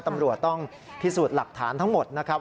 ตำรวจต้องพิสูจน์หลักฐานทั้งหมดนะครับ